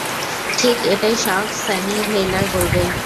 ঠিক, এটাই সব সানিভেইলার বলবে।